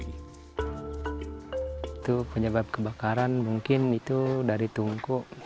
itu penyebab kebakaran mungkin itu dari tungku